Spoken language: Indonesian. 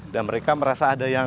dan mereka merasa ada yang